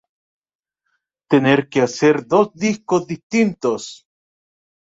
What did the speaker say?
tener que hacer dos discos distintos